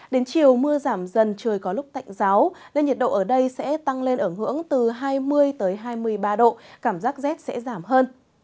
đến chiều mưa giảm dần trời có lúc tạnh giáo nên nhiệt độ ở đây sẽ tăng lên ở ngưỡng từ hai mươi hai mươi ba độ cảm giác rét sẽ giảm hơn